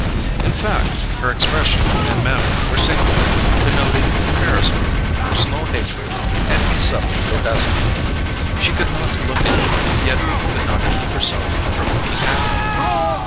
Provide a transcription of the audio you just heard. In fact, her expression and manner were singular, denoting embarrassment, personal hatred, and a subtle bedazzlement. She could not look at him, yet could not keep herself from looking at him.